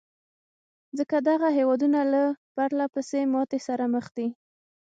ځکه دغه هېوادونه له پرلهپسې ماتې سره مخ دي.